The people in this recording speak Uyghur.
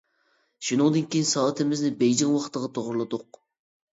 شۇنىڭدىن كېيىن سائىتىمىزنى بېيجىڭ ۋاقتىغا توغرىلىدۇق.